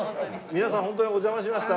皆さん本当にお邪魔しました。